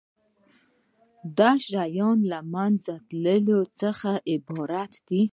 دا د شیانو له منځه تلو څخه عبارت دی.